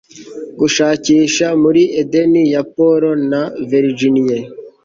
gushakisha muri edeni ya paul na virginie